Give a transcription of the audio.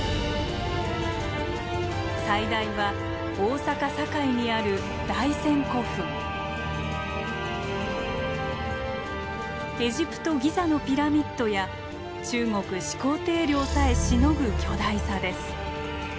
最大は大阪・堺にあるエジプトギザのピラミッドや中国始皇帝陵さえしのぐ巨大さです。